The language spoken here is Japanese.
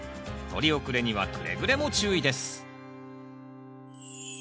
とり遅れにはくれぐれも注意です